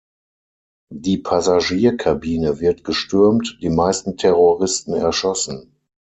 Die Passagierkabine wird gestürmt, die meisten Terroristen erschossen.